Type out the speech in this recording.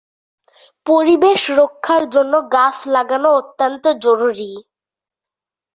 পরিবেশ রক্ষার জন্য গাছ লাগানো অত্যন্ত জরুরি।